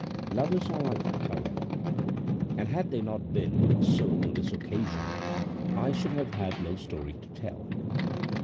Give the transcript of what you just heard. Lovers are like that, however, and had they not been so on this occasion, I should have had no story to tell.